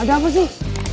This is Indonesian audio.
ada apa sih